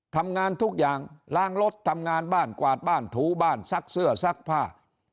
ทำงานทุกอย่างล้างรถทำงานบ้านกวาดบ้านถูบ้านซักเสื้อซักผ้า